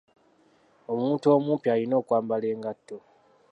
Omuntu omupi alina okwambala engatto.